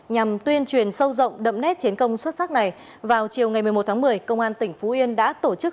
nhằm tuyên truyền sâu rộng đậm nét chiến công xuất sắc này vào chiều ngày một mươi một tháng một mươi công an tỉnh phú yên đã tổ chức